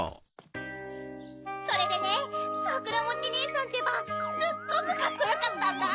それでねさくらもちねえさんってばすっごくカッコよかったんだ！